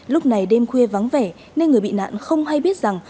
lúc này đêm khuya vắng vẻ nên người bị nạn không hay biết rằng